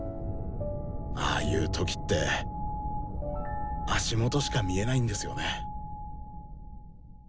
ああいう時って足元しか見えないんですよね。